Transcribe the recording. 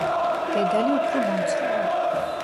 დედალი უფრო მომცროა.